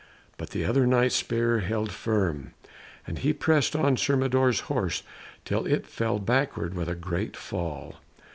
But the other Knight's spear held firm, and he pressed on Sir Mador's horse till it fell backward with a great fall.